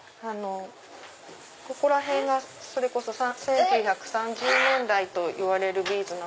ここらへんがそれこそ１９３０年代といわれるビーズ。